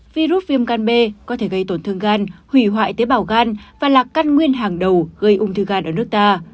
virus viêm gan b có thể gây tổn thương gan hủy hoại tế bào gan và là căn nguyên hàng đầu gây ung thư gan ở nước ta